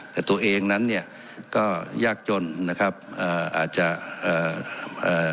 แต่ตัวเองนั้นเนี่ยก็ยากจนนะครับอ่าอาจจะเอ่อเอ่อ